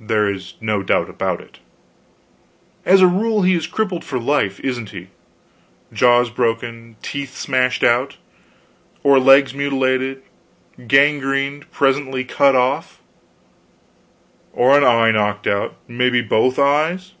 "There is no doubt of it." "As a rule he is crippled for life, isn't he? jaws broken, teeth smashed out? or legs mutilated, gangrened, presently cut off? or an eye knocked out, maybe both eyes?"